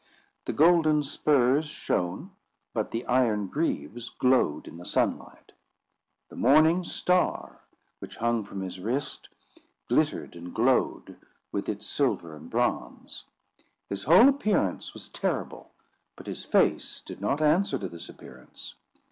The golden spurs shone, but the iron greaves glowed in the sunlight. The morning star, which hung from his wrist, glittered and glowed with its silver and bronze. His whole appearance was terrible; but his face did not answer to this appearance.